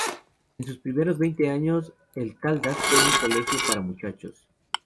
En sus primeros veinte años el Caldas fue un colegio para muchachos.